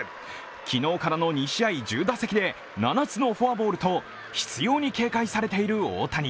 昨日からの２試合１０打席で７つのフォアボールと、執ように警戒されている大谷。